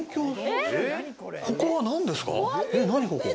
ここはなんですか？